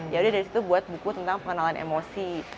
yaudah dari situ buat buku tentang pengenalan emosi